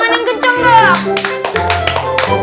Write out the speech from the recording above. bang kenceng dong